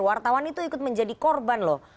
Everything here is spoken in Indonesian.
wartawan itu ikut menjadi korban loh